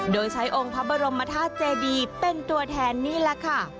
โดยใช้องค์พระบรมธาตุเจดีเป็นตัวแทนนี่แหละค่ะ